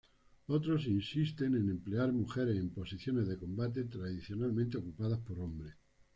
Otros asisten en emplear mujeres en posiciones de combate tradicionalmente ocupadas por hombres.